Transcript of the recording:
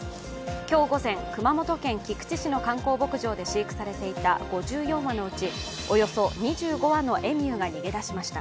今日午前、熊本県菊池市の観光牧場で飼育されていた５４羽のうち、およそ２５羽のエミューが逃げ出しました。